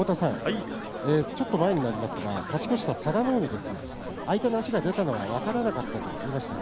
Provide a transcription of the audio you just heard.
少し前になりますが勝ち越した佐田の海相手の足が出たのは分からなかったと言いました。